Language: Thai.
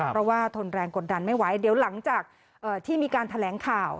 เพราะว่าทนแรงกดดันไม่ไหวเดี๋ยวหลังจากที่มีการแถลงข่าว